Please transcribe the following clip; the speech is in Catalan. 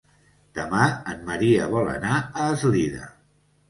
Demà en Maria vol anar a Eslida.